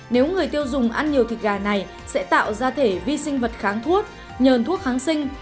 nếu người tiêu dùng ăn nhiều thịt gà này sẽ tạo ra thể vi sinh vật kháng thuốc nhờn thuốc kháng sinh